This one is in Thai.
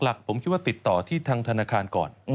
หลักผมคิดว่าติดต่อที่ทางธนาคารก่อน